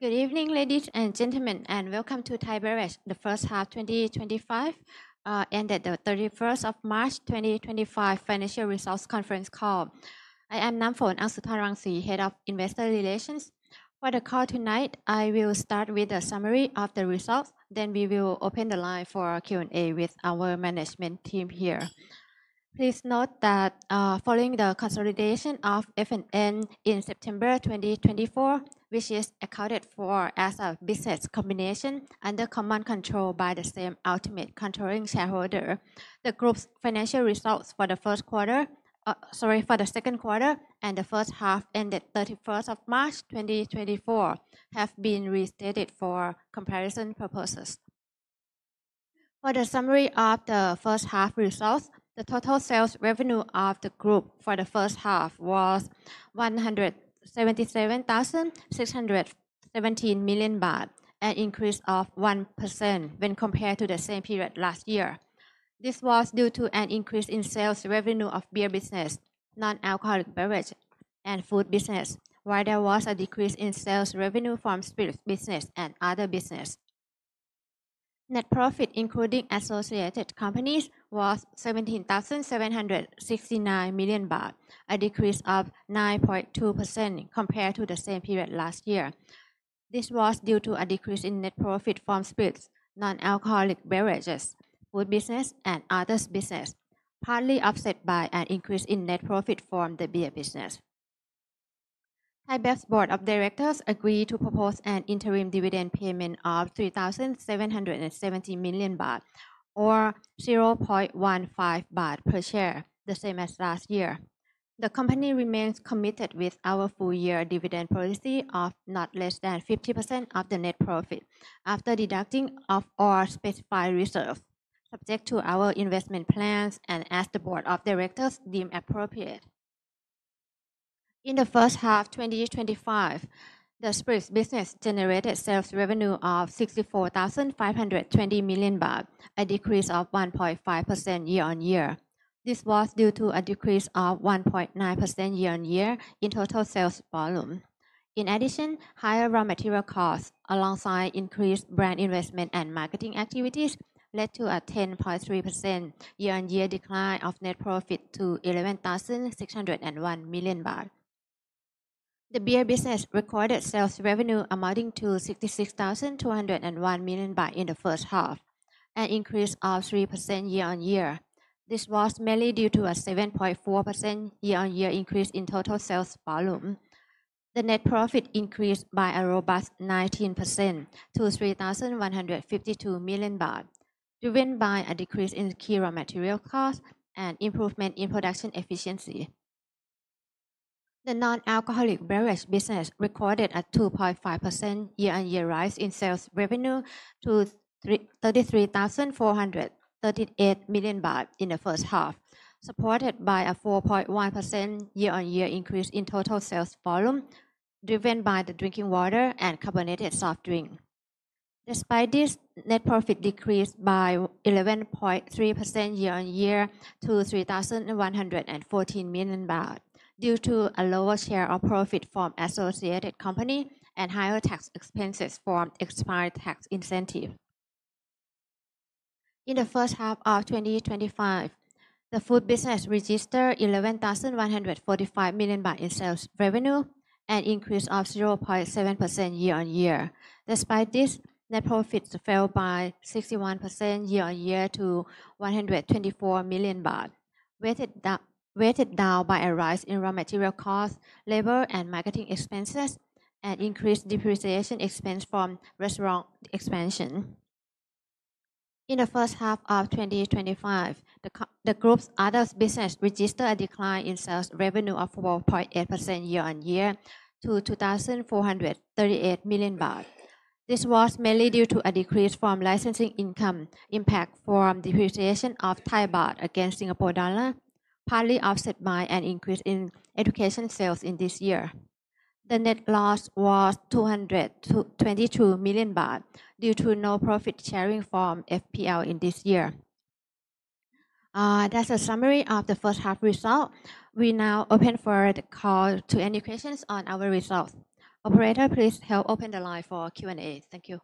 Good evening, ladies and gentlemen, and welcome to Thai Beverage. The first half of 2025 ended the 31st of March 2025 financial results conference call. I am Namfon Aungsutornrungsi, Head of Investor Relations. For the call tonight, I will start with the summary of the results. Then we will open the line for Q&A with our management team here. Please note that following the consolidation of Fraser and Neave in September 2024, which is accounted for as a business combination under common control by the same ultimate controlling shareholder, the group's financial results for the first quarter—sorry, for the second quarter—and the first half ended 31st of March 2024 have been restated for comparison purposes. For the summary of the first half results, the total sales revenue of the group for the first half was 177,617 million baht, an increase of 1% when compared to the same period last year. This was due to an increase in sales revenue of beer business, non-alcoholic beverage, and food business, while there was a decrease in sales revenue from spirits business and other business. Net profit, including associated companies, was 17,769 million baht, a decrease of 9.2% compared to the same period last year. This was due to a decrease in net profit from spirits, non-alcoholic beverages, food business, and other business, partly offset by an increase in net profit from the beer business. Thai Beverage's Board of Directors agreed to propose an interim dividend payment of 3,770 million baht, or 0.155 baht per share, the same as last year. The company remains committed with our full-year dividend policy of not less than 50% of the net profit after deducting of our specified reserves, subject to our investment plans and as the Board of Directors deem appropriate. In the first half of 2025, the spirits business generated sales revenue of 64,520 million baht, a decrease of 1.5% year-on-year. This was due to a decrease of 1.9% year-on-year in total sales volume. In addition, higher raw material costs alongside increased brand investment and marketing activities led to a 10.3% year-on-year decline of net profit to 11,601 million baht. The beer business recorded sales revenue amounting to 66,201 million baht in the first half, an increase of 3% year-on-year. This was mainly due to a 7.4% year-on-year increase in total sales volume. The net profit increased by a robust 19% to 3,152 million baht, driven by a decrease in key raw material costs and improvement in production efficiency. The non-alcoholic beverage business recorded a 2.5% year-on-year rise in sales revenue to 33,438 million baht in the first half, supported by a 4.1% year-on-year increase in total sales volume, driven by the drinking water and carbonated soft drink. Despite this, net profit decreased by 11.3% year-on-year to 3,114 million baht, due to a lower share of profit from associated companies and higher tax expenses from expired tax incentives. In the first half of 2025, the food business registered 11,145 million baht in sales revenue, an increase of 0.7% year-on-year. Despite this, net profits fell by 61% year-on-year to 124 million baht, weighted down by a rise in raw material costs, labor and marketing expenses, and increased depreciation expense from restaurant expansion. In the first half of 2025, the group's other business registered a decline in sales revenue of 12.8% year-on-year to 2,438 million baht. This was mainly due to a decrease from licensing income impact from depreciation of Thai baht against Singapore dollar, partly offset by an increase in education sales in this year. The net loss was 222 million baht due to no profit sharing from FPL in this year. That's a summary of the first half result. We now open for the call to any questions on our results. Operator, please help open the line for Q&A. Thank you.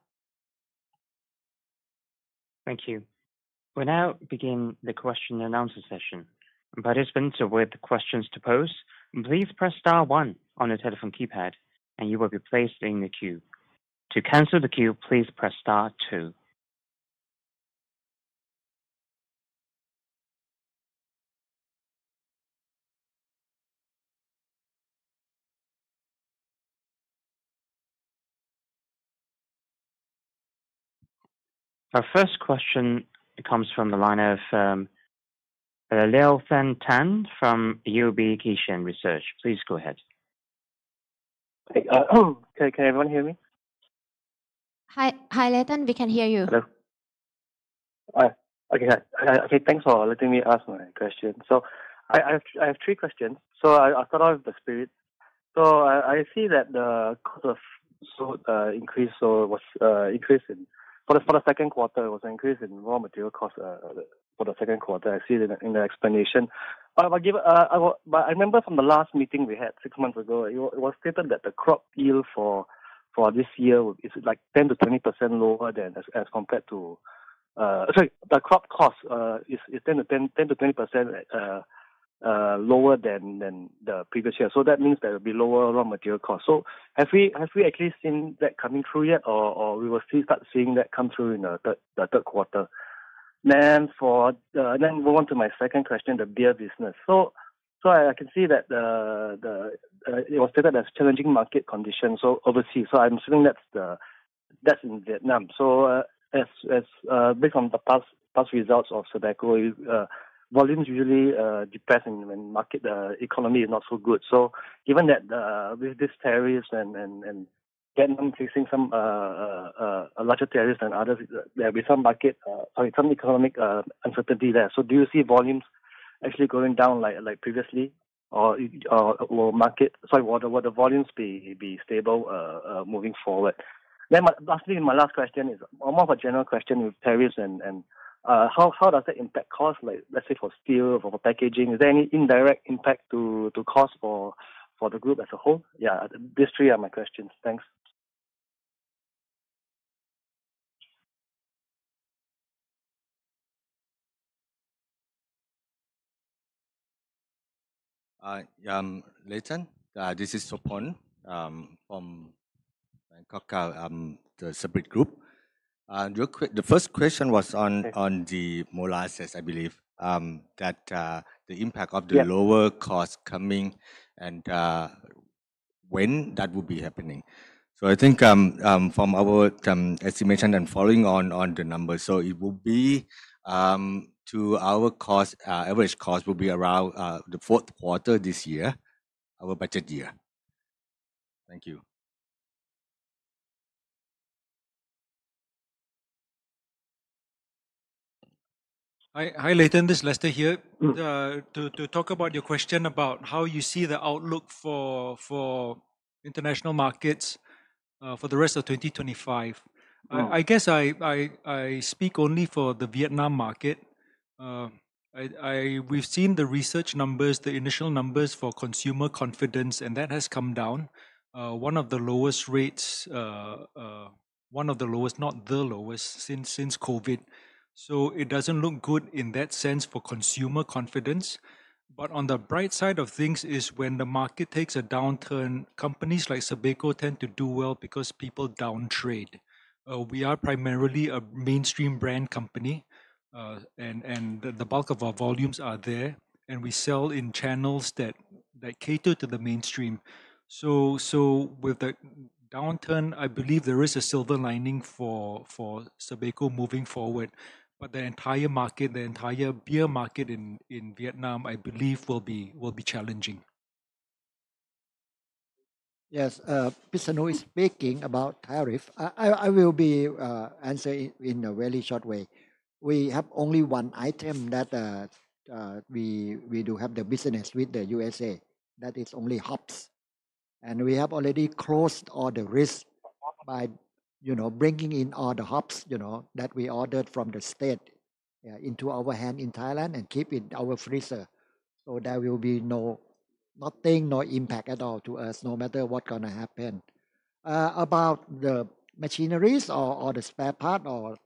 Thank you. We now begin the question and answer session. Participants are with questions to pose. Please press star one on the telephone keypad, and you will be placed in the queue. To cancel the queue, please press star two. Our first question comes from the line of Llelleythan Tan from UOB Kay Hian Research. Please go ahead. Can everyone hear me? Hi, Leo Llelleythan. We can hear you. Hello. Okay, thanks for letting me ask my question. I have three questions. I'll start off with the spirits. I see that the cost of salt increase was increased in for the second quarter. It was an increase in raw material costs for the second quarter. I see it in the explanation. I remember from the last meeting we had six months ago, it was stated that the crop yield for this year is like 10%-20% lower than as compared to, sorry, the crop cost is 10%-20% lower than the previous year. That means there will be lower raw material costs. Have we actually seen that coming through yet, or will we start seeing that come through in the third quarter? I'll go on to my second question, the beer business. I can see that it was stated as challenging market conditions overseas. I'm assuming that's in Vietnam. Based on the past results of tobacco, volumes usually depress when market economy is not so good. Given that with this tariff and Vietnam facing some larger tariffs than others, there will be some market, sorry, some economic uncertainty there. Do you see volumes actually going down like previously, or will the volumes be stable moving forward? Lastly, my last question is more of a general question with tariffs. How does that impact costs, let's say for steel, for packaging? Is there any indirect impact to cost for the group as a whole? Yeah, these three are my questions. Thanks. Llelleythan, this is Suk Pon from Bangkok, the separate group. The first question was on the MOLA assets, I believe, that the impact of the lower costs coming and when that will be happening. I think from our estimation and following on the numbers, it will be to our average cost will be around the fourth quarter this year, our budget year. Thank you. Hi, Llelleythan. This is Lester here. To talk about your question about how you see the outlook for international markets for the rest of 2025, I guess I speak only for the Vietnam market. We've seen the research numbers, the initial numbers for consumer confidence, and that has come down. One of the lowest rates, one of the lowest, not the lowest since COVID. It does not look good in that sense for consumer confidence. On the bright side of things is when the market takes a downturn, companies like Sabeco tend to do well because people downtrade. We are primarily a mainstream brand company, and the bulk of our volumes are there, and we sell in channels that cater to the mainstream. With the downturn, I believe there is a silver lining for Sabeco moving forward, but the entire market, the entire beer market in Vietnam, I believe will be challenging. Yes, Mr. Ngo is speaking about tariff. I will be answering in a very short way. We have only one item that we do have the business with the USA. That is only hops. And we have already closed all the risks by bringing in all the hops that we ordered from the state into our hand in Thailand and keep it in our freezer. There will be nothing, no impact at all to us, no matter what's going to happen. About the machineries or the spare part or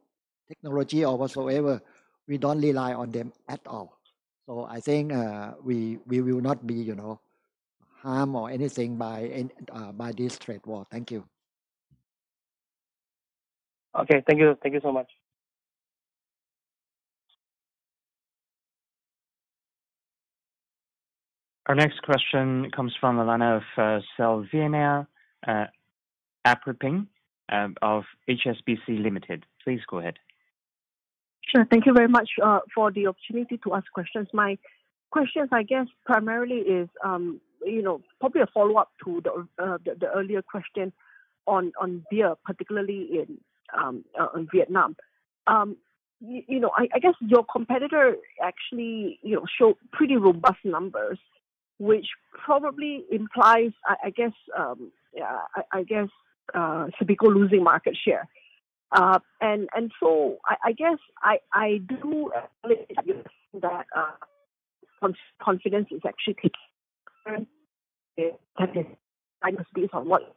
technology or whatsoever, we don't rely on them at all. I think we will not be harmed or anything by this trade war. Thank you. Okay, thank you. Thank you so much. Our next question comes from the line of Selviana Aripin of HSBC. Please go ahead. Sure. Thank you very much for the opportunity to ask questions. My question, I guess, primarily is probably a follow-up to the earlier question on beer, particularly in Vietnam. I guess your competitor actually showed pretty robust numbers, which probably implies, I guess, Sabeco losing market share. And so I guess I do believe that confidence is actually taking away. Thank you. Thanks for what?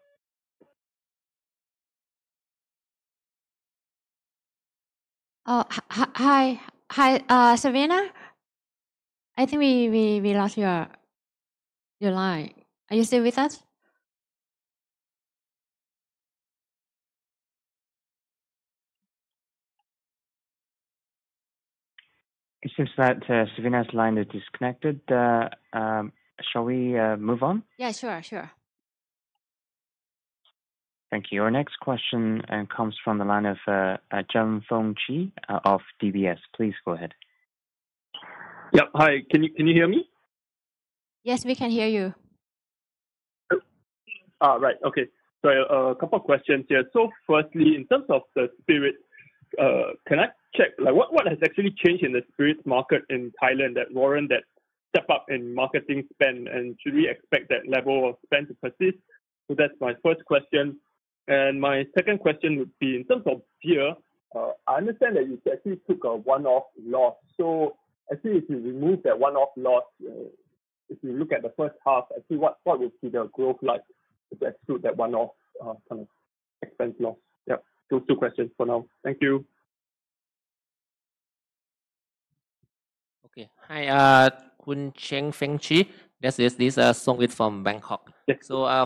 Hi, Selviana. I think we lost your line. Are you still with us? It seems that Selviana's line is disconnected. Shall we move on? Yeah, sure. Sure. Thank you. Our next question comes from the line of Zheng Feng Chee of DBS. Please go ahead. Yep. Hi. Can you hear me? Yes, we can hear you. All right. Okay. A couple of questions here. Firstly, in terms of the spirit, can I check what has actually changed in the spirits market in Thailand that warrant that step-up in marketing spend? Should we expect that level of spend to persist? That is my first question. My second question would be, in terms of beer, I understand that you actually took a one-off loss. If you remove that one-off loss, if you look at the first half, what would the growth be like to exclude that one-off kind of expense loss? Those two questions for now. Thank you. Okay. Hi. Zheng Feng Chee. This is Song Wei from Bangkok.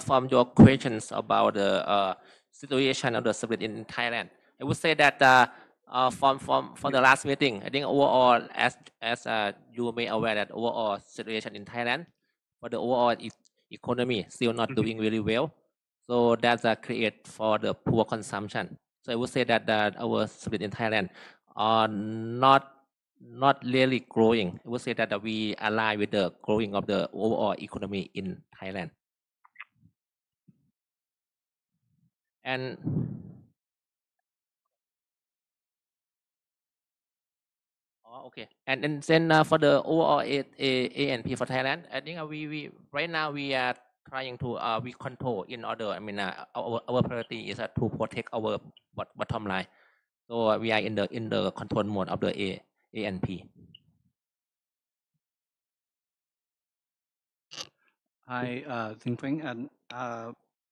From your questions about the situation of the spirit in Thailand, I would say that from the last meeting, I think overall, as you may be aware, that overall situation in Thailand, for the overall economy, still not doing really well. That creates for the poor consumption. I would say that our spirit in Thailand are not really growing. I would say that we align with the growing of the overall economy in Thailand. Okay. For the overall A&P for Thailand, I think right now we are trying to control in order, I mean, our priority is to protect our bottom line. We are in the control mode of the A&P. Hi, Zheng Feng.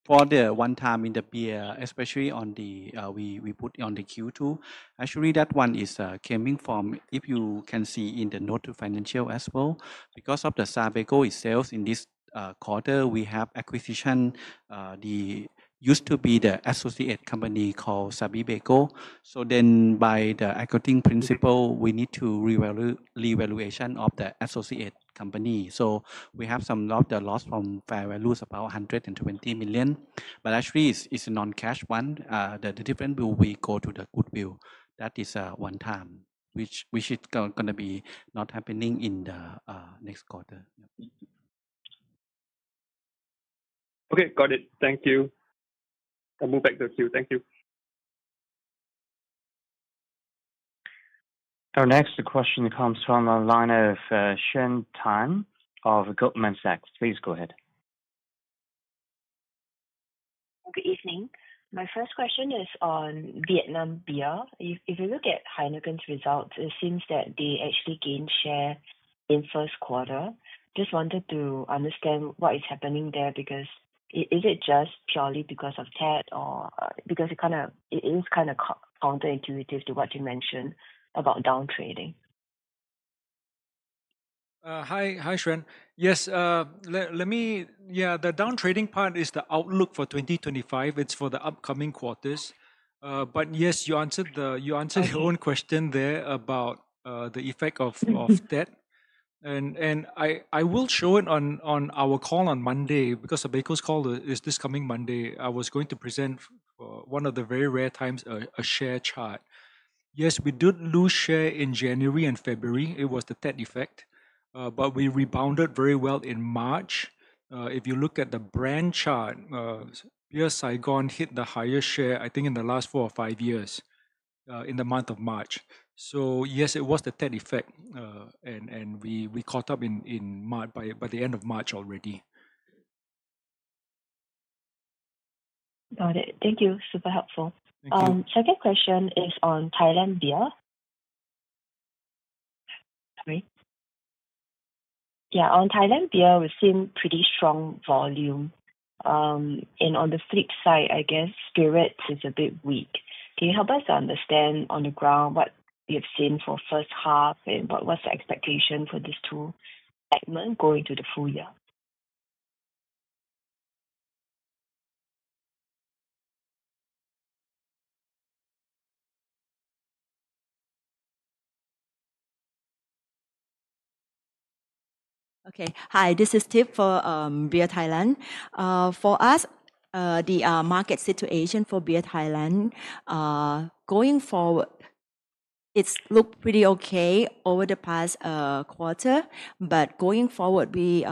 For the one time in the beer, especially on the we put on the queue too, actually that one is coming from if you can see in the note to financial as well. Because of the Sabeco itself in this quarter, we have acquisition. The used to be the associate company called Sabeco. So then by the accounting principle, we need to revaluation of the associate company. So we have some of the loss from fair values about 120 million. But actually, it's a non-cash one. The difference will go to the goodwill. That is a one time, which is going to be not happening in the next quarter. Okay. Got it. Thank you. I'll move back to the queue. Thank you. Our next question comes from the line of Xuan Tan of Goldman Sachs. Please go ahead. Good evening. My first question is on Vietnam beer. If you look at Heineken's results, it seems that they actually gained share in first quarter. Just wanted to understand what is happening there because is it just purely because of Tet or because it is kind of counterintuitive to what you mentioned about downtrading? Hi, Xuan. Yes. Yeah, the downtrading part is the outlook for 2025. It's for the upcoming quarters. Yes, you answered your own question there about the effect of Tet. I will show it on our call on Monday because Sabeco's call is this coming Monday. I was going to present one of the very rare times, a share chart. Yes, we did lose share in January and February. It was the Tet effect. We rebounded very well in March. If you look at the brand chart, beer Saigon hit the highest share, I think, in the last four or five years in the month of March. Yes, it was the Tet effect. We caught up in March by the end of March already. Got it. Thank you. Super helpful. Second question is on Thailand beer. Sorry. Yeah, on Thailand beer, we've seen pretty strong volume. And on the flip side, I guess spirits is a bit weak. Can you help us understand on the ground what you've seen for first half and what's the expectation for this two-month going to the full year? Okay. Hi, this is Tiff for Beer Thailand. For us, the market situation for Beer Thailand going forward, it looked pretty okay over the past quarter. Going forward, we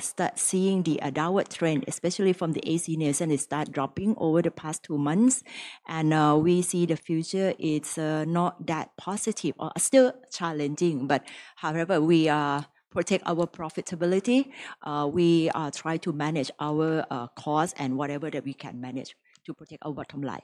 start seeing the downward trend, especially from the ACNS, and it start dropping over the past two months. We see the future, it's not that positive or still challenging. However, we protect our profitability. We try to manage our costs and whatever that we can manage to protect our bottom line.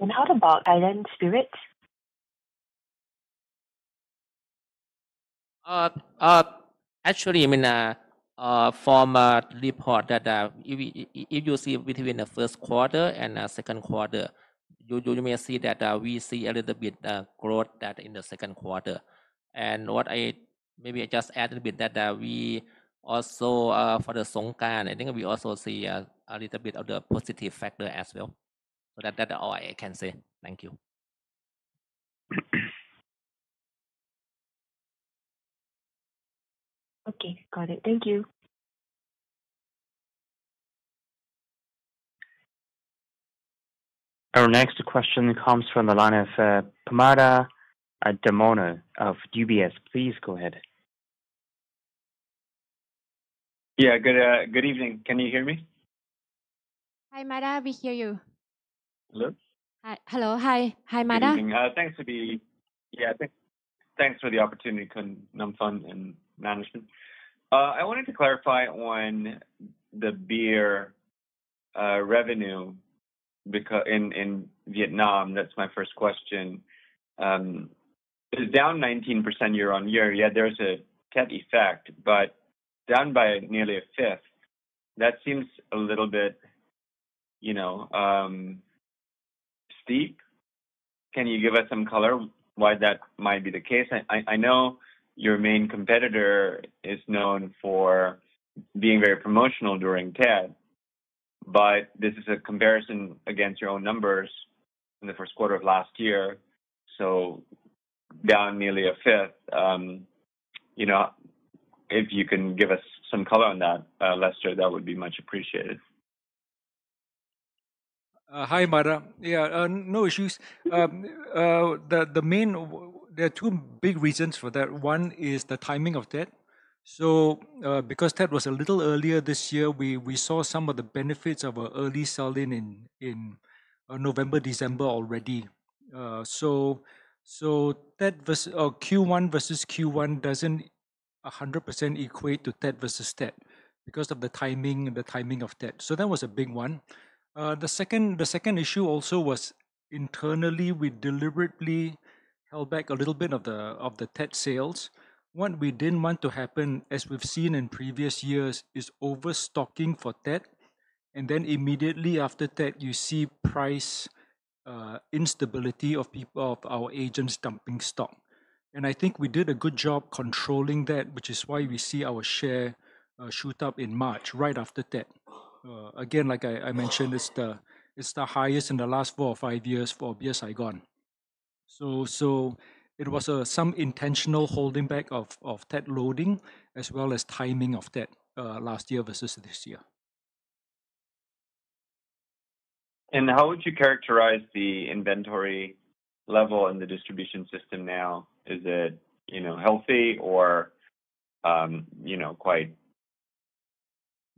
How about Thailand spirits? Actually, I mean, from the report that if you see between the first quarter and the second quarter, you may see that we see a little bit growth in the second quarter. What I maybe just add a bit that we also for the Songkran, I think we also see a little bit of the positive factor as well. That is all I can say. Thank you. Okay. Got it. Thank you. Our next question comes from the line of Permada Darmono of UBS. Please go ahead. Yeah. Good evening. Can you hear me? Hi, Permada. We hear you. Hello? Hello. Hi. Hi, Permada. Good evening. Thanks for the, yeah, thanks for the opportunity to Nongnuch in management. I wanted to clarify on the beer revenue in Vietnam. That's my first question. It's down 19% year on year. Yeah, there's a Tet effect, but down by nearly a fifth. That seems a little bit steep. Can you give us some color why that might be the case? I know your main competitor is known for being very promotional during Tet, but this is a comparison against your own numbers in the first quarter of last year. So down nearly a fifth. If you can give us some color on that, Lester, that would be much appreciated. Hi, Permada. Yeah, no issues. The main, there are two big reasons for that. One is the timing of Tet. Because Tet was a little earlier this year, we saw some of the benefits of an early sell-in in November, December already. Tet Q1 versus Q1 does not 100% equate to Tet versus Tet because of the timing of Tet. That was a big one. The second issue also was internally, we deliberately held back a little bit of the Tet sales. What we did not want to happen, as we have seen in previous years, is overstocking for Tet. Immediately after Tet, you see price instability of our agents dumping stock. I think we did a good job controlling that, which is why we see our share shoot up in March right after Tet. Again, like I mentioned, it's the highest in the last four or five years for beer Saigon. It was some intentional holding back of Tet loading as well as timing of Tet last year versus this year. How would you characterize the inventory level in the distribution system now? Is it healthy or quite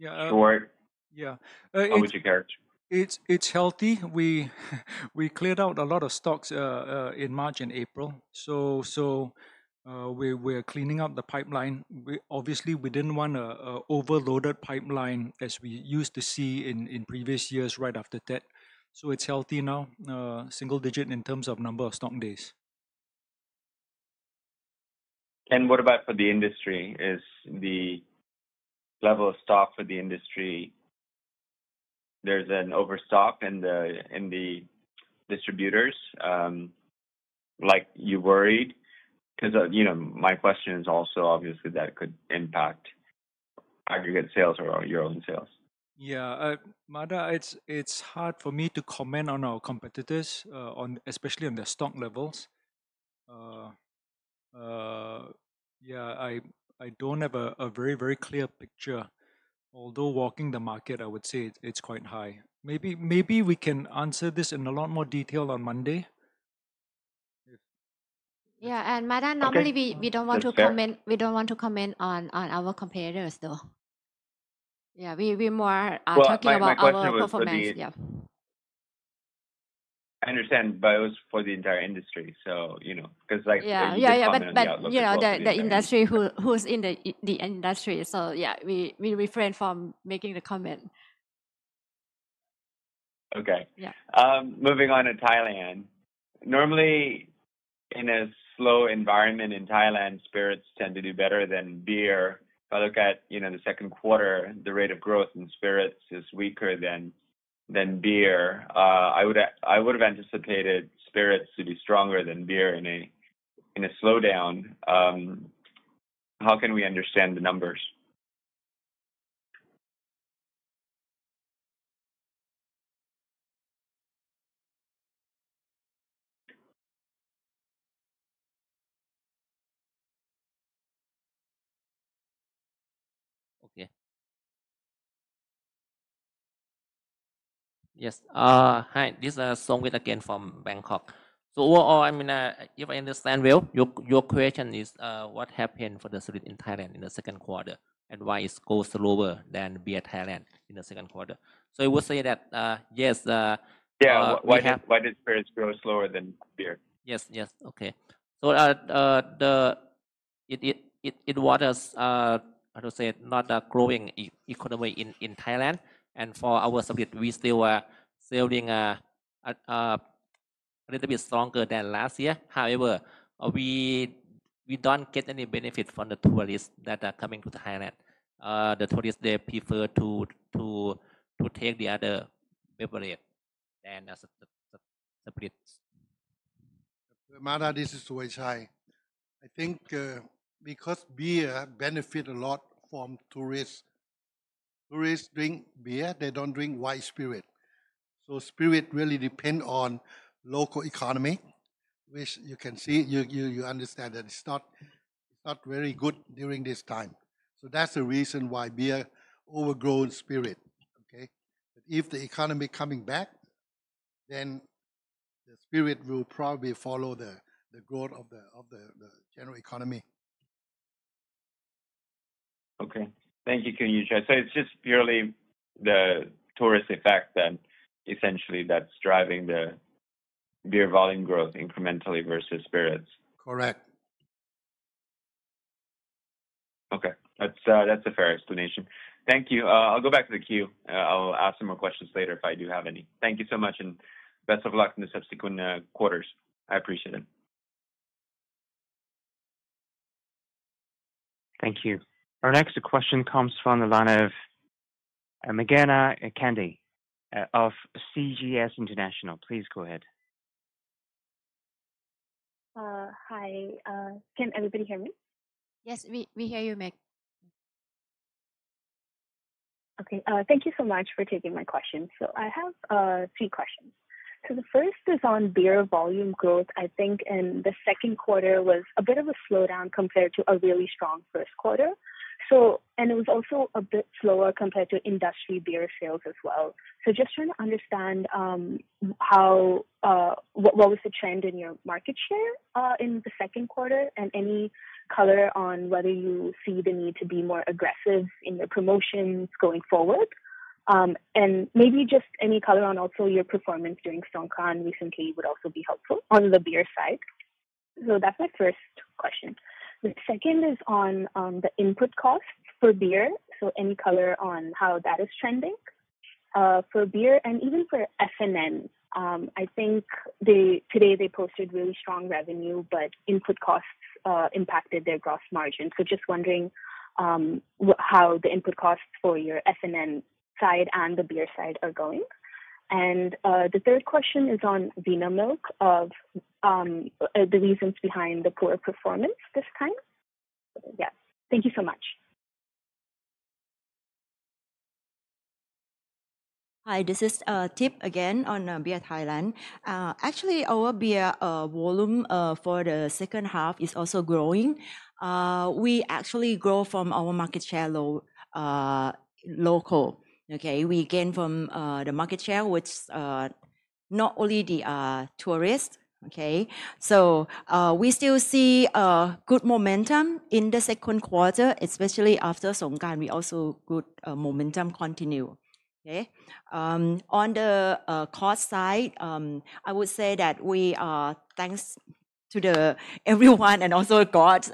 short? Yeah. How would you characterize? It's healthy. We cleared out a lot of stocks in March and April. We are cleaning up the pipeline. Obviously, we did not want an overloaded pipeline as we used to see in previous years right after Tet. It is healthy now, single digit in terms of number of stock days. What about for the industry? Is the level of stock for the industry, is there an overstock in the distributors, like are you worried? Because my question is also, obviously, that could impact aggregate sales or your own sales. Yeah. Permada, it's hard for me to comment on our competitors, especially on their stock levels. Yeah, I don't have a very, very clear picture. Although walking the market, I would say it's quite high. Maybe we can answer this in a lot more detail on Monday. Yeah. Permada, normally we do not want to comment on our competitors though. Yeah. We are more talking about our performance. Yeah. I understand, but it was for the entire industry. Because like the. Yeah. Yeah. But the industry, who's in the industry? So yeah, we refrain from making the comment. Okay. Moving on to Thailand. Normally, in a slow environment in Thailand, spirits tend to do better than beer. If I look at the second quarter, the rate of growth in spirits is weaker than beer. I would have anticipated spirits to be stronger than beer in a slowdown. How can we understand the numbers? Okay. Yes. Hi. This is Song Wei again from Bangkok. Overall, I mean, if I understand well, your question is what happened for the spirit in Thailand in the second quarter and why it is go slower than beer Thailand in the second quarter. I would say that, yes. Yeah. Why did spirits grow slower than beer? Yes. Yes. Okay. It was, how to say, not a growing economy in Thailand. For our spirit, we still were selling a little bit stronger than last year. However, we do not get any benefit from the tourists that are coming to Thailand. The tourists, they prefer to take the other beverage than the spirit. Permada, this is Zheng Feng Chee. I think because beer benefit a lot from tourists. Tourists drink beer. They don't drink white spirit. So spirit really depend on local economy, which you can see. You understand that it's not very good during this time. So that's the reason why beer overgrown spirit. Okay? But if the economy coming back, then the spirit will probably follow the growth of the general economy. Okay. Thank you, Ueychai. So it's just purely the tourist effect that essentially that's driving the beer volume growth incrementally versus spirits. Correct. Okay. That's a fair explanation. Thank you. I'll go back to the queue. I'll ask some more questions later if I do have any. Thank you so much and best of luck in the subsequent quarters. I appreciate it. Thank you. Our next question comes from the line of Meghana Kande of CGS International. Please go ahead. Hi. Can everybody hear me? Yes. We hear you, Meg. Okay. Thank you so much for taking my questions. I have three questions. The first is on beer volume growth, I think, and the second quarter was a bit of a slowdown compared to a really strong first quarter. It was also a bit slower compared to industry beer sales as well. I am just trying to understand what was the trend in your market share in the second quarter and any color on whether you see the need to be more aggressive in your promotions going forward. Maybe just any color on also your performance during Songkran recently would also be helpful on the beer side. That is my first question. The second is on the input costs for beer. Any color on how that is trending for beer and even for S&N. I think today they posted really strong revenue, but input costs impacted their gross margin. I am just wondering how the input costs for your S&N side and the beer side are going. The third question is on Vinamilk, the reasons behind the poor performance this time. Yeah. Thank you so much. Hi. This is Tiff again on Beer Thailand. Actually, our beer volume for the second half is also growing. We actually grow from our market share local. Okay? We gain from the market share, which not only the tourist. Okay? We still see good momentum in the second quarter, especially after Songkran. We also good momentum continue. Okay? On the cost side, I would say that we thanks to everyone and also God,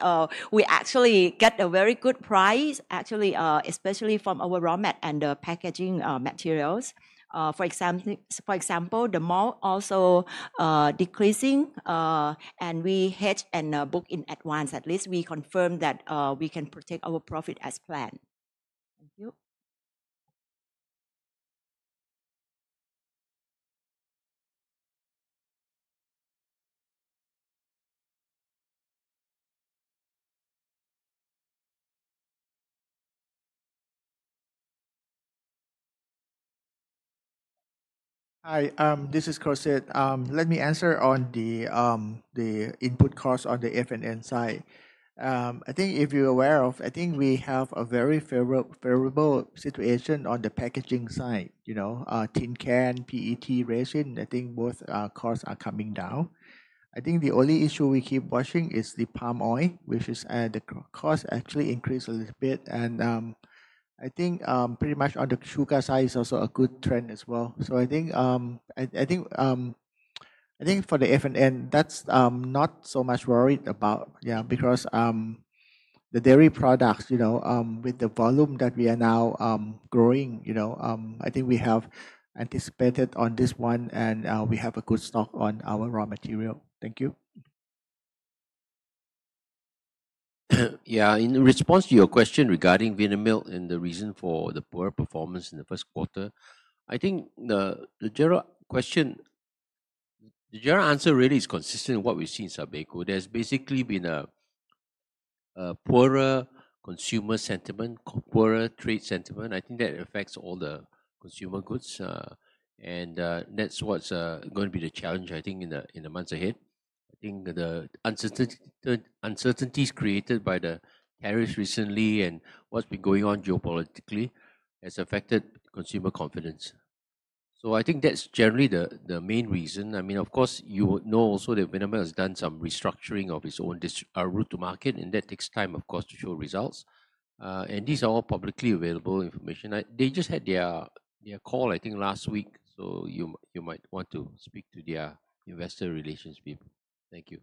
we actually get a very good price, actually, especially from our raw mat and the packaging materials. For example, the malt also decreasing, and we hedge and book in advance. At least we confirm that we can protect our profit as planned. Thank you. Hi. This is Kosit. Let me answer on the input cost on the F&N side. I think if you're aware of, I think we have a very favorable situation on the packaging side. Tin can, PET, ration, I think both costs are coming down. I think the only issue we keep watching is the palm oil, which is the cost actually increased a little bit. I think pretty much on the sugar side is also a good trend as well. I think for the F&N, that's not so much worried about, yeah, because the dairy products with the volume that we are now growing, I think we have anticipated on this one and we have a good stock on our raw material. Thank you. Yeah. In response to your question regarding Vinamilk and the reason for the poor performance in the first quarter, I think the general question, the general answer really is consistent with what we've seen in Sabeco. There's basically been a poorer consumer sentiment, poorer trade sentiment. I think that affects all the consumer goods. That's what's going to be the challenge, I think, in the months ahead. I think the uncertainties created by the tariffs recently and what's been going on geopolitically has affected consumer confidence. I think that's generally the main reason. I mean, of course, you know also that Vinamilk has done some restructuring of its own route to market, and that takes time, of course, to show results. These are all publicly available information. They just had their call, I think, last week. You might want to speak to their investor relations people. Thank you.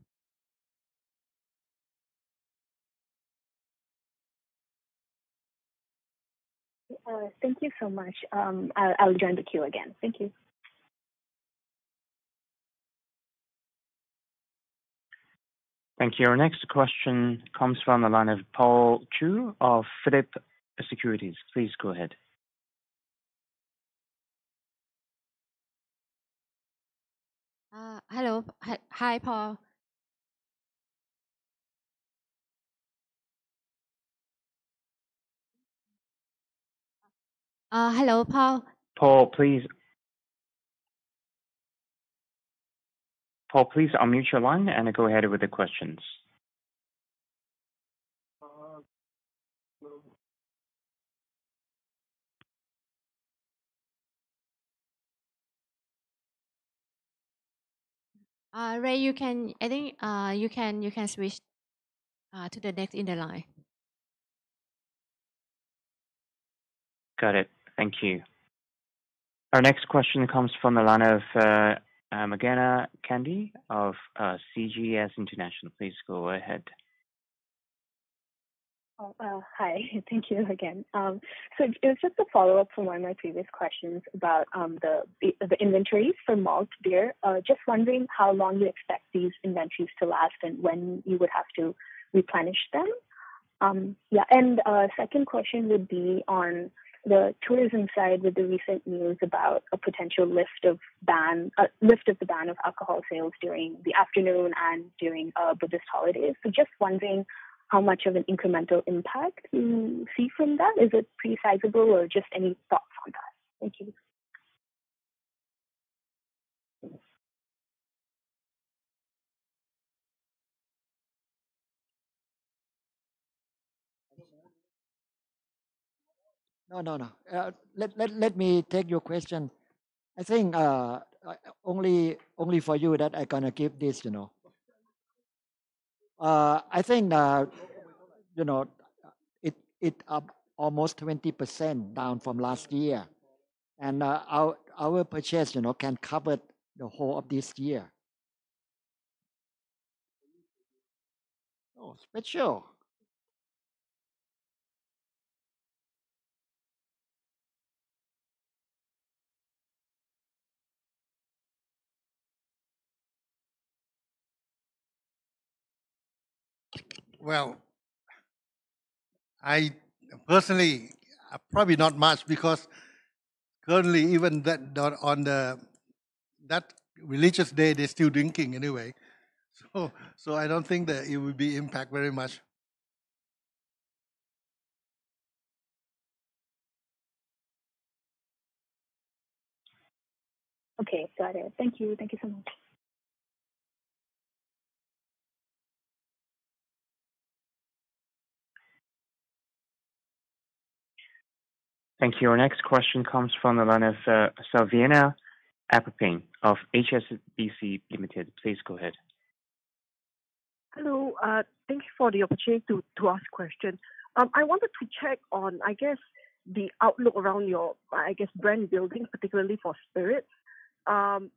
Thank you so much. I'll join the queue again. Thank you. Thank you. Our next question comes from the line of Paul Chew of Phillip Securities. Please go ahead. Hello. Hi, Paul. Paul, please. Paul, please unmute your line and go ahead with the questions. Ray, you can switch to the next in the line. Got it. Thank you. Our next question comes from the line of Meghana Kande of CGS International. Please go ahead. Hi. Thank you again. It was just a follow-up from one of my previous questions about the inventories for malt beer. Just wondering how long you expect these inventories to last and when you would have to replenish them. Yeah. Second question would be on the tourism side with the recent news about a potential lift of ban of alcohol sales during the afternoon and during Buddhist holidays. Just wondering how much of an incremental impact you see from that. Is it pretty sizable or just any thoughts on that? Thank you. No, no, no. Let me take your question. I think only for you that I'm going to give this. I think it is up almost 20% down from last year. And our purchase can cover the whole of this year. Oh, special. Personally, probably not much because currently, even on that religious day, they're still drinking anyway. I do not think that it would be impacted very much. Okay. Got it. Thank you. Thank you so much. Thank you. Our next question comes from the line of Selviana Aripin of HSBC. Please go ahead. Hello. Thank you for the opportunity to ask a question. I wanted to check on, I guess, the outlook around your, I guess, brand building, particularly for spirits. How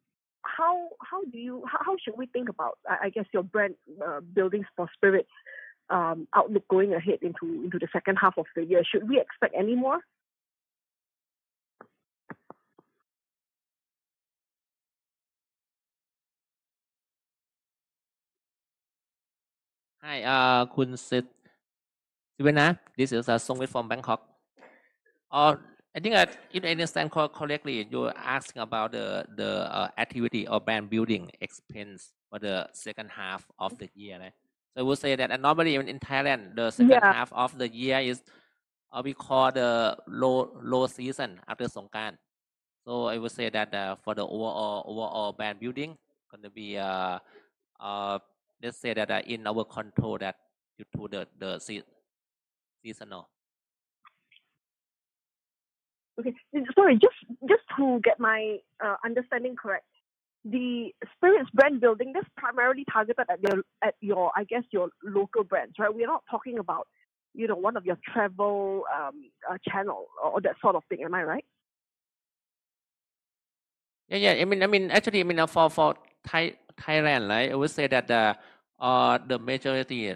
should we think about, I guess, your brand building for spirits outlook going ahead into the second half of the year? Should we expect any more? Hi Selviana. This is Song Wei from Bangkok. I think if I understand correctly, you're asking about the activity or brand building expense for the second half of the year. I would say that normally in Thailand, the second half of the year is what we call the low season after Songkran. I would say that for the overall brand building, going to be, let's say that in our control that due to the seasonal. Okay. Sorry. Just to get my understanding correct, the spirits brand building is primarily targeted at your, I guess, your local brands, right? We're not talking about one of your travel channel or that sort of thing. Am I right? Yeah, yeah. I mean, actually, for Thailand, I would say that the majority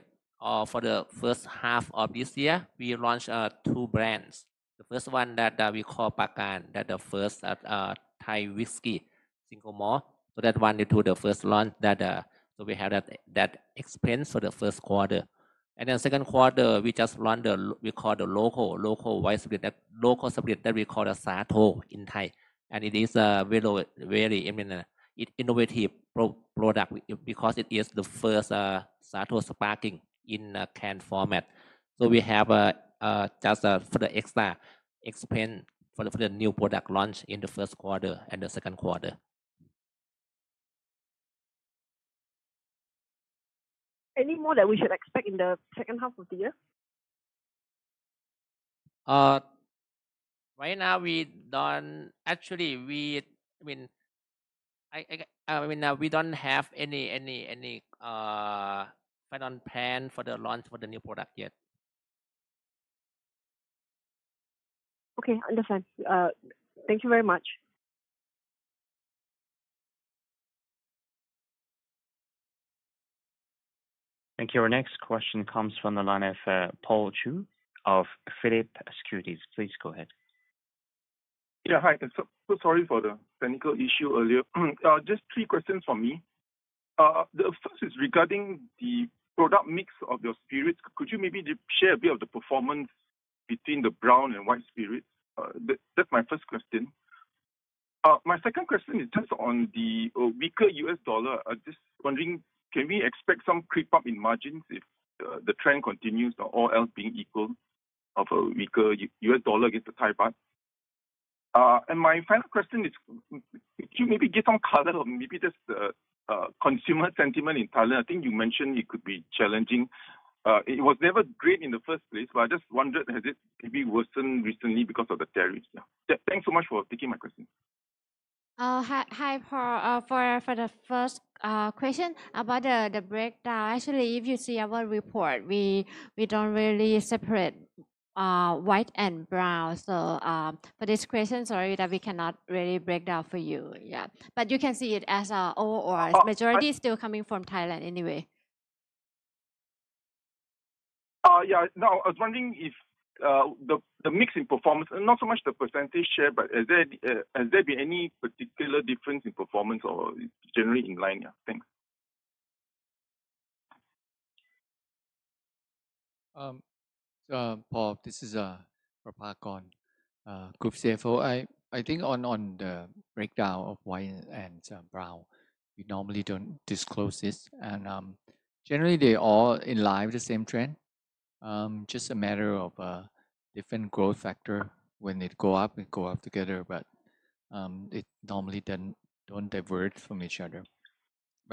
for the first half of this year, we launched two brands. The first one that we call Pakon, that the first Thai whiskey, single malt. That one, due to the first launch, we have that expense for the first quarter. Then, second quarter, we just launched the, we call the local spirit, that local spirit that we call the Sato in Thai. It is a very innovative product because it is the first Sato sparkling in a can format. We have just for the extra expense for the new product launch in the first quarter and the second quarter. Any more that we should expect in the second half of the year? Right now, we don't actually, I mean, we don't have any final plan for the launch for the new product yet. Okay. Understood. Thank you very much. Thank you. Our next question comes from the line of Paul Chew of Phillip Securities. Please go ahead. Yeah. Hi. Sorry for the technical issue earlier. Just three questions for me. The first is regarding the product mix of your spirits. Could you maybe share a bit of the performance between the brown and white spirits? That's my first question. My second question is just on the weaker US dollar. Just wondering, can we expect some creep up in margins if the trend continues or all else being equal of a weaker US dollar against the Thai baht? And my final question is, could you maybe give some color on maybe just consumer sentiment in Thailand? I think you mentioned it could be challenging. It was never great in the first place, but I just wondered, has it maybe worsened recently because of the tariffs? Thanks so much for taking my question. Hi, Paul. For the first question about the breakdown, actually, if you see our report, we do not really separate white and brown. For this question, sorry that we cannot really break down for you. Yeah. You can see it as all or majority still coming from Thailand anyway. Yeah. No, I was wondering if the mix in performance, not so much the percentage share, but has there been any particular difference in performance or generally in line? Yeah. Thanks. Paul, this is for Pakon. I think on the breakdown of white and brown, we normally don't disclose this. Generally, they are all in line with the same trend. Just a matter of different growth factor when they go up and go up together, but it normally does not diverge from each other.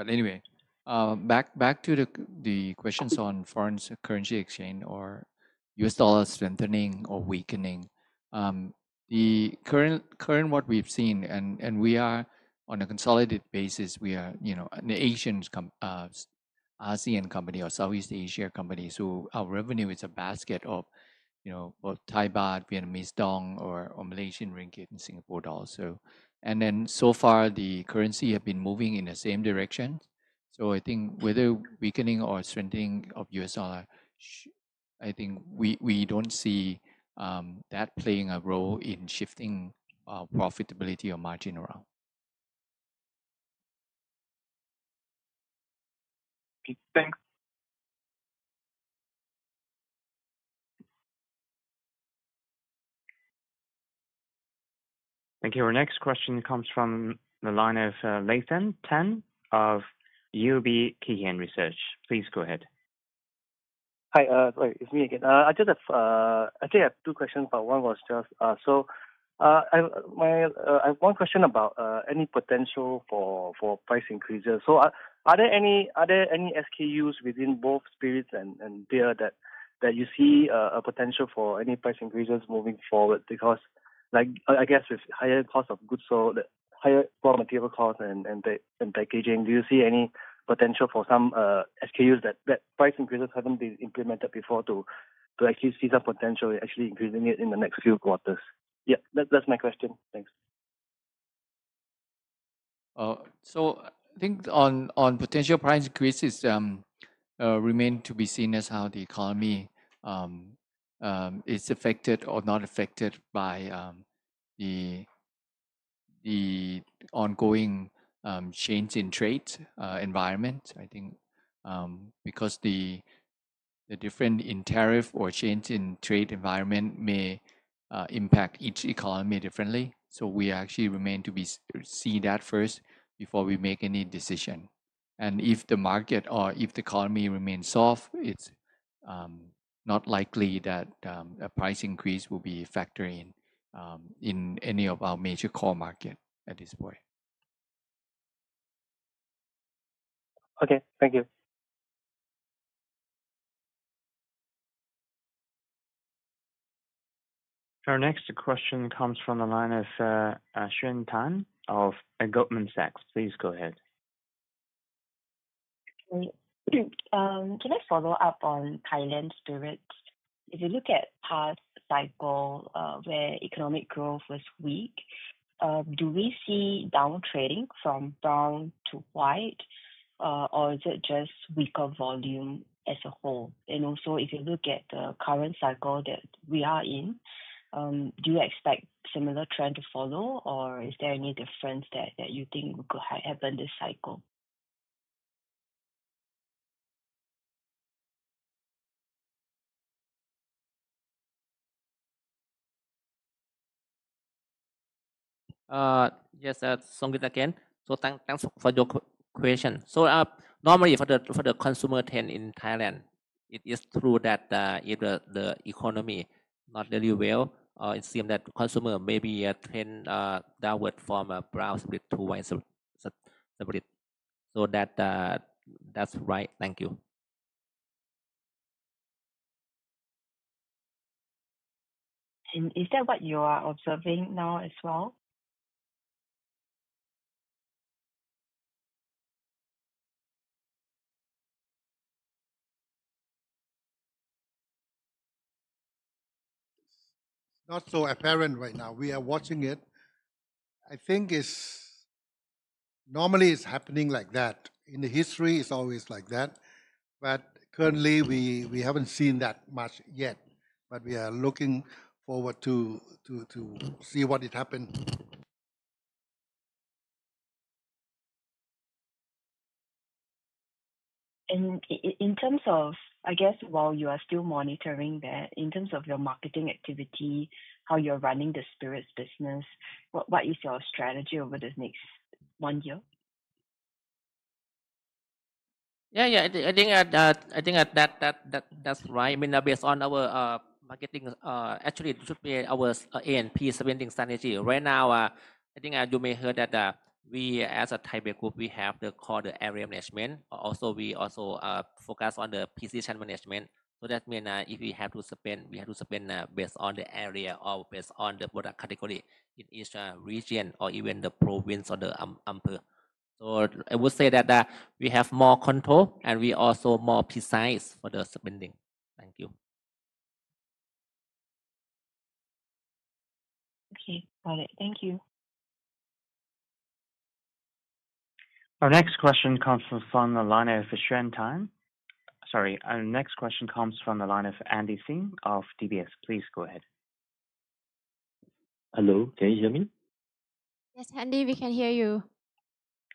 Anyway, back to the questions on foreign currency exchange or US dollar strengthening or weakening. The current what we've seen, and we are on a consolidated basis, we are an Asian company or Southeast Asia company. Our revenue is a basket of both Thai baht, Vietnamese dong, or Malaysian ringgit and Singapore dollar. So far, the currency has been moving in the same direction. I think whether weakening or strengthening of US dollar, I think we do not see that playing a role in shifting profitability or margin around. Thanks. Thank you. Our next question comes from the line of Llelleythan Tan of UOB Kay Hian Research. Please go ahead. Hi. Sorry. It's me again. I actually have two questions, but one was just—so I have one question about any potential for price increases. Are there any SKUs within both spirits and beer that you see a potential for any price increases moving forward? I guess with higher cost of goods, so higher raw material cost and packaging, do you see any potential for some SKUs that price increases haven't been implemented before to actually see some potential in actually increasing it in the next few quarters? Yeah. That's my question. Thanks. I think on potential price increases, it remains to be seen as how the economy is affected or not affected by the ongoing change in trade environment. I think because the difference in tariff or change in trade environment may impact each economy differently. We actually remain to see that first before we make any decision. If the market or if the economy remains soft, it is not likely that a price increase will be factoring in any of our major core markets at this point. Okay. Thank you. Our next question comes from the line of Xuan Tan of Goldman Sachs. Please go ahead. Can I follow up on Thailand spirits? If you look at past cycles where economic growth was weak, do we see downtrading from brown to white, or is it just weaker volume as a whole? If you look at the current cycle that we are in, do you expect a similar trend to follow, or is there any difference that you think could happen this cycle? Yes, that's Song Wei again. Thanks for your question. Normally for the consumer trend in Thailand, it is true that if the economy is not really well, it seems that consumer may be a trend downward from a brown spirit to white spirit. That's right. Thank you. Is that what you are observing now as well? Not so apparent right now. We are watching it. I think normally it's happening like that. In the history, it's always like that. Currently, we haven't seen that much yet. We are looking forward to see what happens. In terms of, I guess, while you are still monitoring that, in terms of your marketing activity, how you're running the spirits business, what is your strategy over the next one year? Yeah, yeah. I think that's right. I mean, based on our marketing, actually, it should be our A&P spending strategy. Right now, I think you may hear that we as a Thai Beverage Group, we have the call the area management. Also, we also focus on the position management. That means if we have to spend, we have to spend based on the area or based on the product category in each region or even the province or the amp. I would say that we have more control and we are also more precise for the spending. Thank you. Okay. Got it. Thank you. Our next question comes from the line of Xuan Tan. Sorry. Our next question comes from the line of Andy Sim of DBS. Please go ahead. Hello. Can you hear me? Yes, Andy. We can hear you.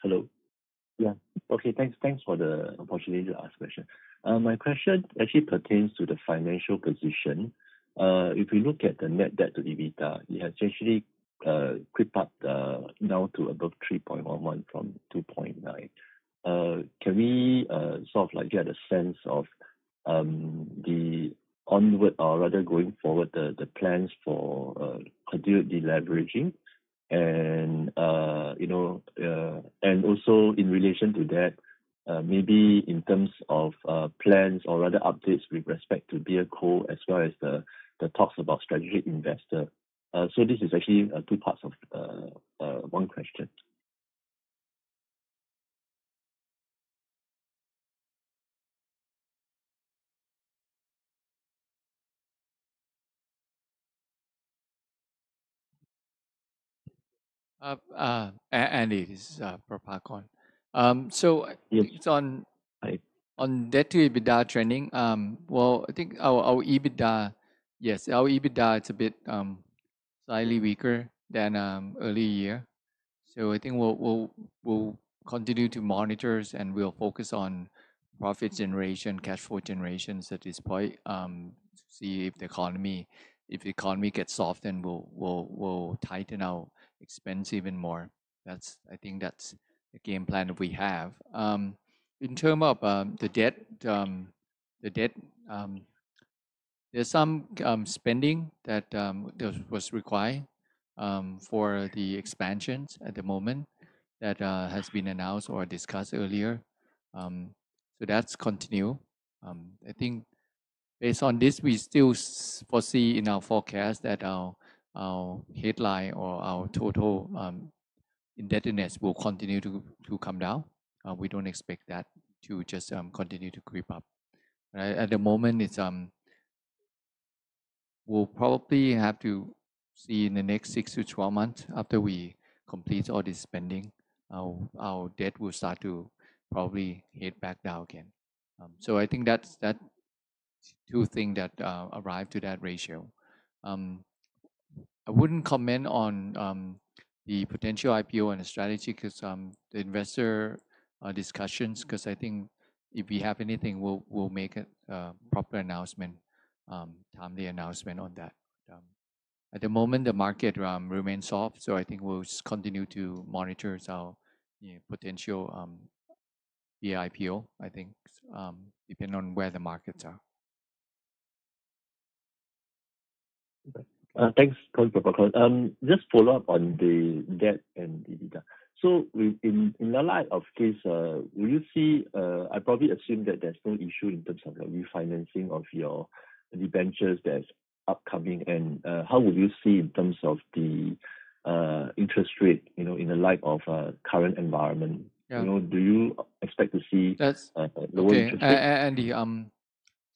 Hello. Yeah. Okay. Thanks for the opportunity to ask a question. My question actually pertains to the financial position. If we look at the net debt to EBITDA, it has actually creeped up now to above 3.11 from 2.9. Can we sort of get a sense of the onward or rather going forward, the plans for continued deleveraging? Also in relation to that, maybe in terms of plans or rather updates with respect to beer core as well as the talks about strategic investor. This is actually two parts of one question. Andy is for Pakon. On debt to EBITDA training, I think our EBITDA, yes, our EBITDA is a bit slightly weaker than earlier year. I think we'll continue to monitor and we'll focus on profit generation, cash flow generations at this point to see if the economy gets soft and we'll tighten our expense even more. I think that's the game plan that we have. In terms of the debt, there's some spending that was required for the expansions at the moment that has been announced or discussed earlier. That's continued. I think based on this, we still foresee in our forecast that our headline or our total indebtedness will continue to come down. We don't expect that to just continue to creep up. At the moment, we'll probably have to see in the next six to 12 months after we complete all this spending, our debt will start to probably hit back down again. I think that's two things that arrive to that ratio. I wouldn't comment on the potential IPO and the strategy because the investor discussions, because I think if we have anything, we'll make a proper announcement, timely announcement on that. At the moment, the market remains soft. I think we'll continue to monitor our potential beer IPO, I think, depending on where the markets are. Thanks, Kong. Just follow up on the debt and EBITDA. In the line of case, will you see I probably assume that there's no issue in terms of refinancing of your debentures that's upcoming. How will you see in terms of the interest rate in the light of current environment? Do you expect to see lower interest rates? Andy,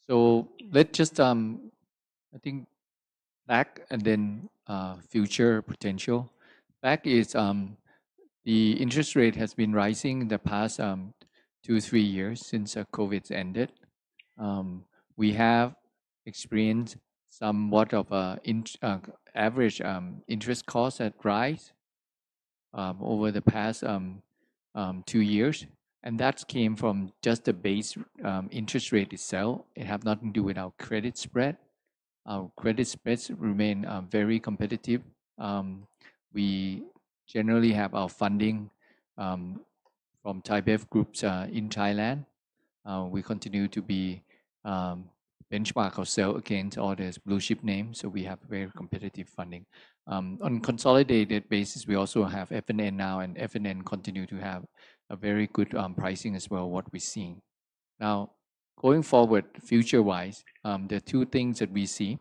so let's just, I think, back and then future potential. Back is the interest rate has been rising the past two, three years since COVID ended. We have experienced somewhat of an average interest cost that rise over the past two years. That came from just the base interest rate itself. It has nothing to do with our credit spread. Our credit spreads remain very competitive. We generally have our funding from Thai Beverage Groups in Thailand. We continue to benchmark ourselves against all these blue chip names. We have very competitive funding. On a consolidated basis, we also have F&N now, and F&N continues to have a very good pricing as well what we're seeing. Now, going forward, future-wise, there are two things that we see.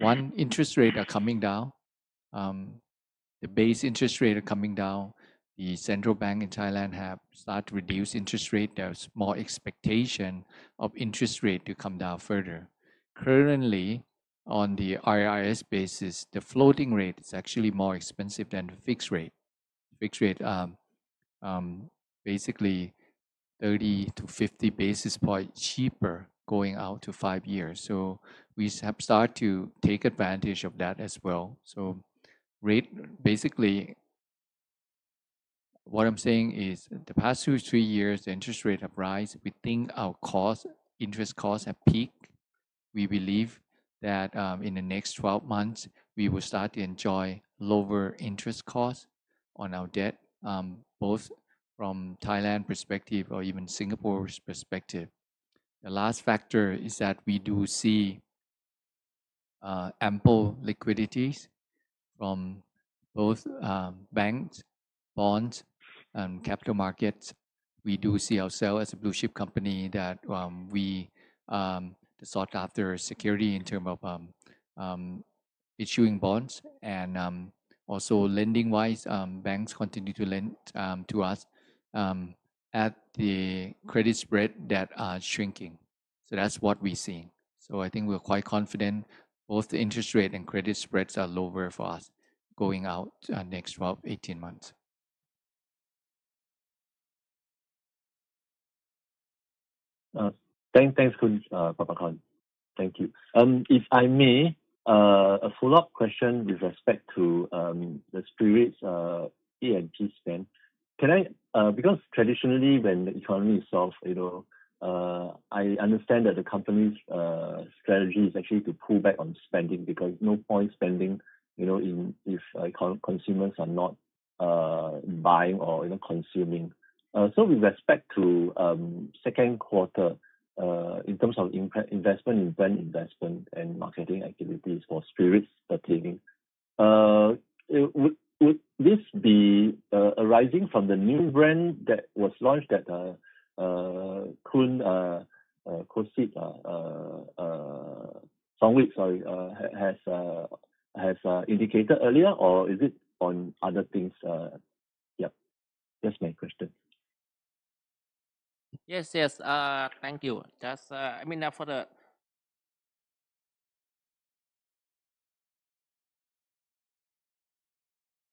One, interest rates are coming down. The base interest rate is coming down. The central bank in Thailand has started to reduce interest rates. There's more expectation of interest rates to come down further. Currently, on the IRS basis, the floating rate is actually more expensive than the fixed rate. Fixed rate is basically 30-50 basis points cheaper going out to five years. We have started to take advantage of that as well. Basically, what I'm saying is the past two, three years, the interest rates have risen. We think our interest costs have peaked. We believe that in the next 12 months, we will start to enjoy lower interest costs on our debt, both from Thailand perspective or even Singapore's perspective. The last factor is that we do see ample liquidities from both banks, bonds, and capital markets. We do see ourselves as a blue chip company that we sought after security in terms of issuing bonds. Also, lending-wise, banks continue to lend to us at the credit spread that are shrinking. That is what we are seeing. I think we are quite confident both the interest rate and credit spreads are lower for us going out next 12-18 months. Thanks, Kong. Thank you. If I may, a follow-up question with respect to the spirits A&P spend. Because traditionally, when the economy is soft, I understand that the company's strategy is actually to pull back on spending because no point spending if consumers are not buying or consuming. With respect to second quarter, in terms of investment in brand investment and marketing activities for spirits pertaining, would this be arising from the new brand that was launched that Kong has indicated earlier, or is it on other things? Yeah. That's my question. Yes, yes. Thank you. I mean, for the, I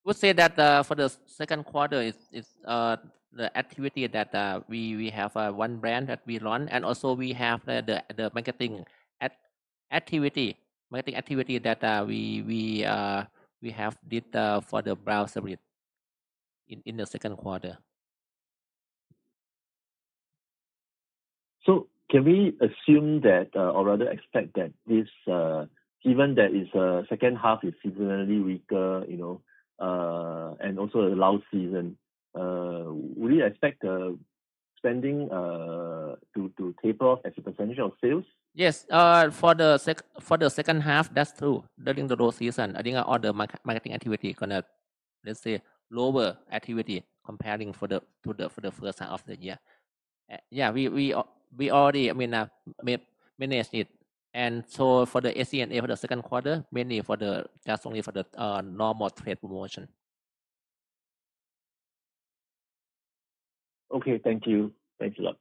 would say that for the second quarter, it's the activity that we have one brand that we launched. Also, we have the marketing activity that we have did for the brown spirit in the second quarter. Can we assume that or rather expect that this, given that it's a second half, it's similarly weaker and also a lousy season, would you expect spending to taper off as a percentage of sales? Yes. For the second half, that's true. During the low season, I think all the marketing activity is going to, let's say, lower activity compared to the first half of the year. Yeah, we already managed it. For the ACNA for the second quarter, mainly just for the normal trade promotion. Okay. Thank you. Thank you a lot.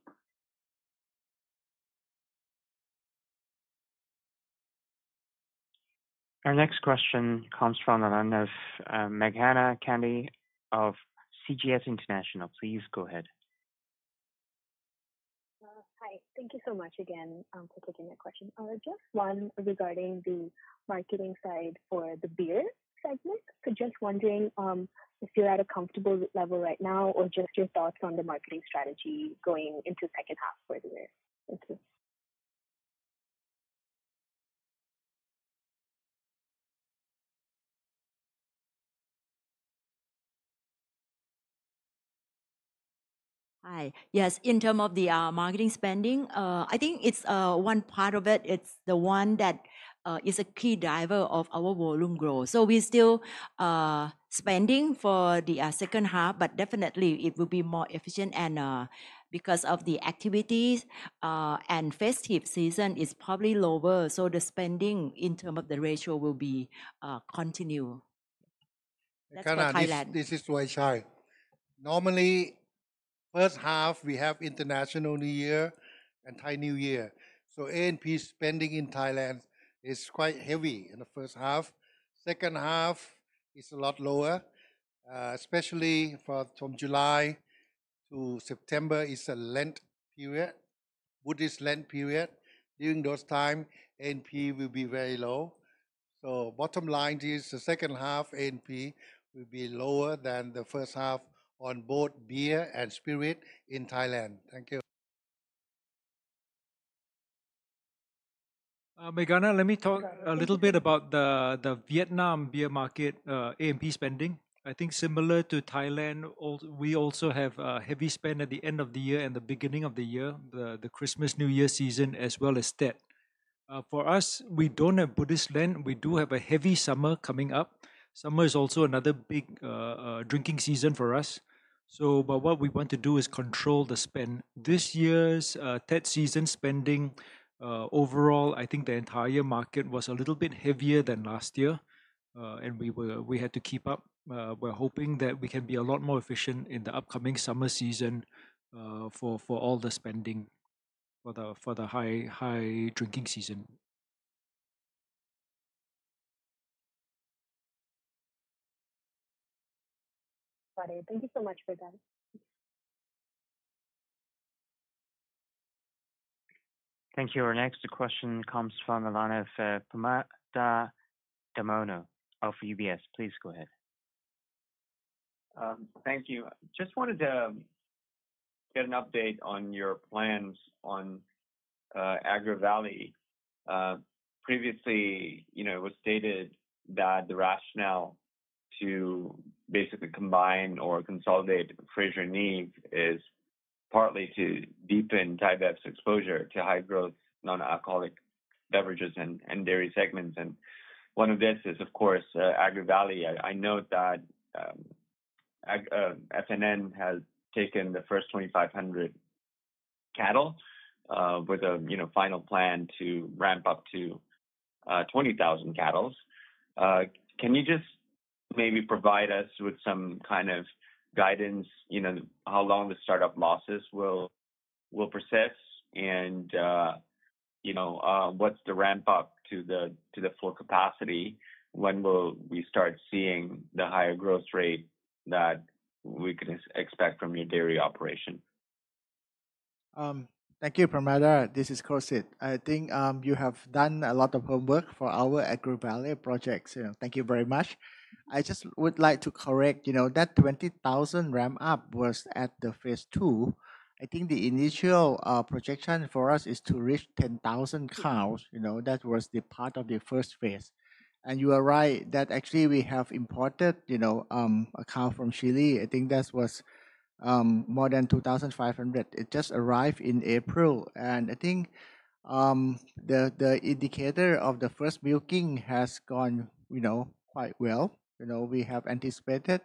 Our next question comes from the line of Meghana Kande of CGS International. Please go ahead. Hi. Thank you so much again for taking my question. Just one regarding the marketing side for the beer segment. Just wondering if you're at a comfortable level right now or just your thoughts on the marketing strategy going into the second half for the year. Thank you. Hi. Yes, in terms of the marketing spending, I think it's one part of it. It's the one that is a key driver of our volume growth. We're still spending for the second half, but definitely, it will be more efficient because of the activities. Festive season is probably lower. The spending in terms of the ratio will be continued. This is Y Chai. Normally, first half, we have International New Year and Thai New Year. So A&P spending in Thailand is quite heavy in the first half. Second half is a lot lower, especially from July to September. It is a lent period, Buddhist lent period. During those times, A&P will be very low. Bottom line is the second half A&P will be lower than the first half on both beer and spirit in Thailand. Thank you. Meghana, let me talk a little bit about the Vietnam beer market A&P spending. I think similar to Thailand, we also have heavy spend at the end of the year and the beginning of the year, the Christmas New Year season, as well as Tet. For us, we don't have Buddhist lent. We do have a heavy summer coming up. Summer is also another big drinking season for us. What we want to do is control the spend. This year's Tet season spending overall, I think the entire market was a little bit heavier than last year, and we had to keep up. We're hoping that we can be a lot more efficient in the upcoming summer season for all the spending for the high drinking season. Got it. Thank you so much for that. Thank you. Our next question comes from the line of Permada Darmono of UBS. Please go ahead. Thank you. Just wanted to get an update on your plans on AgriValley. Previously, it was stated that the rationale to basically combine or consolidate Fraser and Neave is partly to deepen Thai Beverage's exposure to high-growth non-alcoholic beverages and dairy segments. One of this is, of course, AgriValley. I note that F&N has taken the first 2,500 cattle with a final plan to ramp up to 20,000 cattle. Can you just maybe provide us with some kind of guidance how long the startup losses will persist and what's the ramp-up to the full capacity when we start seeing the higher growth rate that we can expect from your dairy operation? Thank you, Permada. This is Kosit. I think you have done a lot of homework for our AgriValley projects. Thank you very much. I just would like to correct that 20,000 ramp-up was at the phase two. I think the initial projection for us is to reach 10,000 cows. That was the part of the first phase. You are right that actually we have imported a cow from Chile. I think that was more than 2,500. It just arrived in April. I think the indicator of the first milking has gone quite well. We have anticipated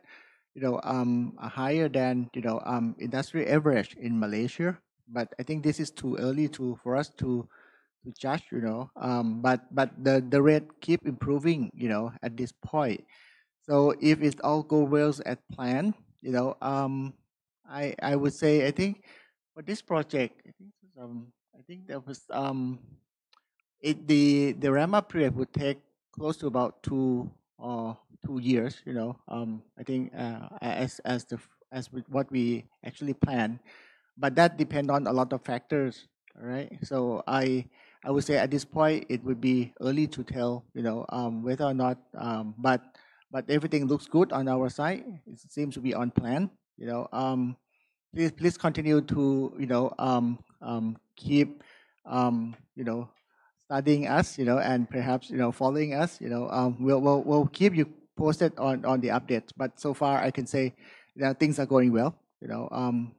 higher than industry average in Malaysia. This is too early for us to judge. The rate keeps improving at this point. If it all goes well as planned, I would say I think for this project, the ramp-up period would take close to about two years, as what we actually planned. That depends on a lot of factors, right? I would say at this point, it would be early to tell whether or not. Everything looks good on our side. It seems to be on plan. Please continue to keep studying us and perhaps following us. We'll keep you posted on the updates. So far, I can say that things are going well.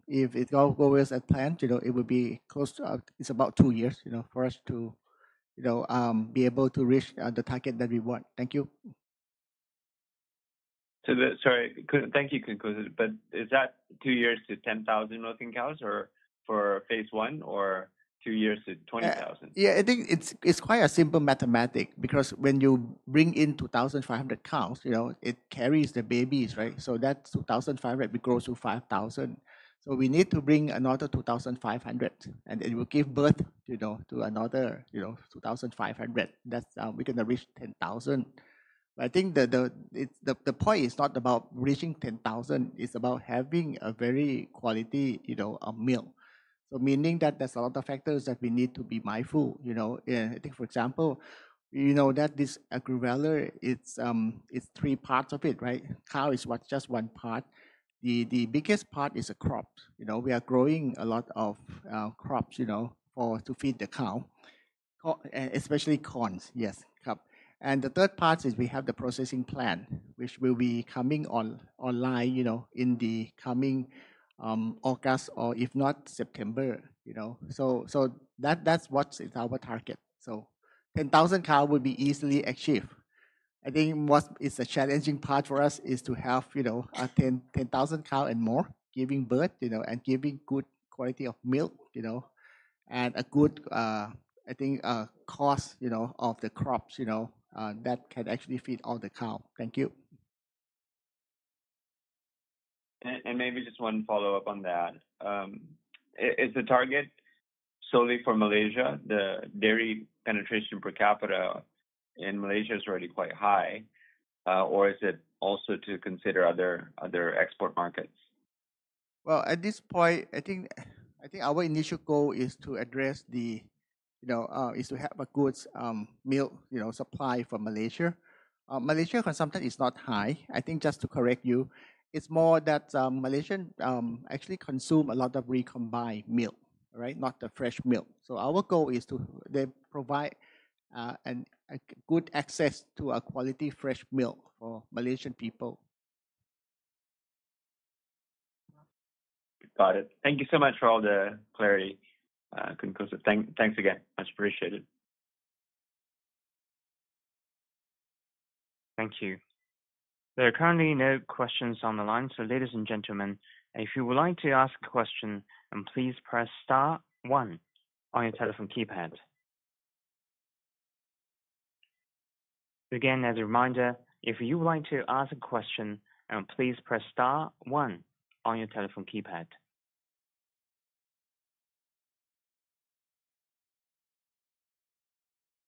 If it all goes as planned, it would be close to about two years for us to be able to reach the target that we want. Thank you. Sorry. Thank you, Kong. Is that two years to 10,000 milking cows for phase one or two years to 20,000? Yeah. I think it's quite a simple mathematic because when you bring in 2,500 cows, it carries the babies, right? That 2,500, we grow to 5,000. We need to bring another 2,500, and it will give birth to another 2,500. We're going to reach 10,000. I think the point is not about reaching 10,000. It's about having a very quality meal. Meaning that there's a lot of factors that we need to be mindful. I think, for example, you know that this AgriValley, it's three parts of it, right? Cow is just one part. The biggest part is the crops. We are growing a lot of crops to feed the cow, especially corns, yes. The third part is we have the processing plant, which will be coming online in the coming August or if not September. That's what is our target. 10,000 cows would be easily achieved. I think what is a challenging part for us is to have 10,000 cows and more giving birth and giving good quality of milk and a good, I think, cost of the crops that can actually feed all the cows. Thank you. Maybe just one follow-up on that. Is the target solely for Malaysia? The dairy penetration per capita in Malaysia is already quite high. Or is it also to consider other export markets? At this point, I think our initial goal is to address the is to have a good milk supply for Malaysia. Malaysia consumption is not high. I think just to correct you, it's more that Malaysians actually consume a lot of recombined milk, right? Not the fresh milk. Our goal is to provide good access to quality fresh milk for Malaysian people. Got it. Thank you so much for all the clarity. Kong, thanks again. Much appreciated. Thank you. There are currently no questions on the line. Ladies and gentlemen, if you would like to ask a question, please press star one on your telephone keypad. Again, as a reminder, if you would like to ask a question, please press star one on your telephone keypad.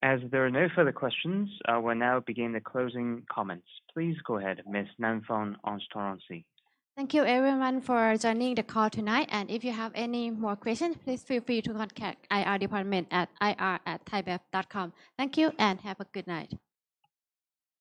As there are no further questions, we will now begin the closing comments. Please go ahead, Ms. Namfon Aungsutornrungsi. Thank you, everyone, for joining the call tonight. If you have any more questions, please feel free to contact IR Department at ir@thaibev.com. Thank you and have a good night.